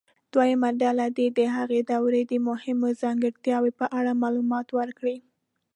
دویمه ډله دې د هغې دورې د مهمو ځانګړتیاوو په اړه معلومات ورکړي.